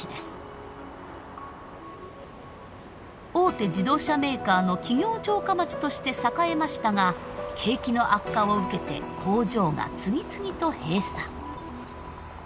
大手自動車メーカーの企業城下町として栄えましたが景気の悪化を受けて工場が次々と閉鎖。